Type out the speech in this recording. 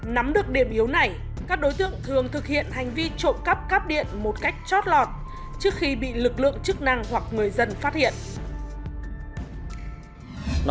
nắm được điểm yếu này các đối tượng thường thực hiện hành vi trộm cắp cáp điện một cách chót lọt trước khi bị lực lượng chức năng hoặc người dân phát hiện